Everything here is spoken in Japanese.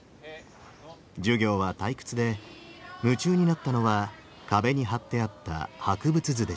授業は退屈で夢中になったのは壁に貼ってあった博物図でした。